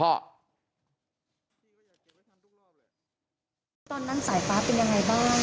แล้วตอนนั้นสายฟ้าเป็นยังไงบ้าง